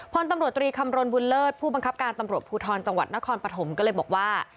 พลตำรวจตรีคำรณบุญเลิศผู้บังคับการตำรวจภูทรจังหวัดนครปฐมก็เลยบอกว่า